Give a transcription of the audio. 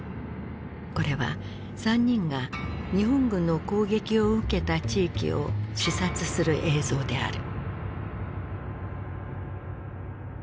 これは３人が日本軍の攻撃を受けた地域を視察する映像である。